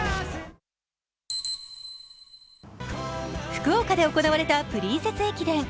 福岡で行われたプリンセス駅伝。